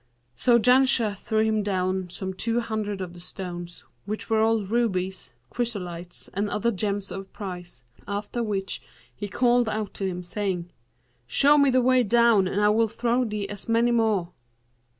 So Janshah threw him down some two hundred of the stones, which were all rubies,[FN#544] chrysolites and other gems of price; after which he called out to him, saying, 'Show me the way down and I will throw thee as many more.'